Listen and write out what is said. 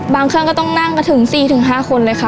เครื่องก็ต้องนั่งกันถึง๔๕คนเลยค่ะ